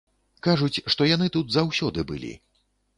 Кажуць, што яны тут заўсёды былі.